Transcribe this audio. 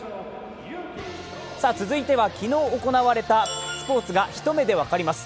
続いては昨日行われたスポーツがひと目で分かります。